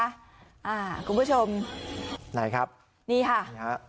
อ่าคุณผู้ชมไหนครับนี่ค่ะนะฮะ